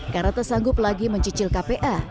karena tersanggup lagi mencicil kpa